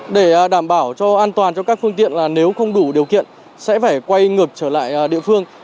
để đảm bảo cho an toàn cho các phương tiện là nếu không đủ điều kiện sẽ phải quay ngược trở lại địa phương